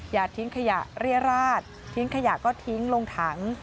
อย่าทิ้งขยะเรียราดทิ้งขยะก็ทิ้งลงถัง